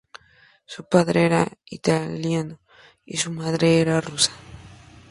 Su padre era italiano, y su madre era rusa.